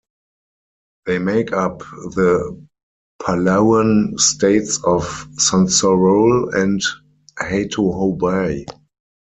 They make up the Palauan states of Sonsorol and Hatohobei.